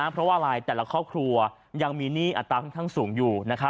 เพราะว่าอะไรแต่ละครอบครัวยังมีหนี้อัตราค่อนข้างสูงอยู่